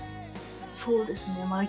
そうですね。